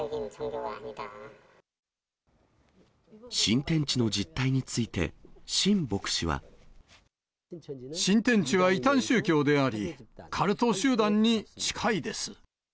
新天地の実態について、新天地は異端宗教であり、カルト集団に近いです。